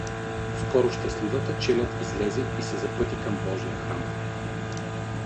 Скоро щастливата челяд излезе и се запъти към божия храм.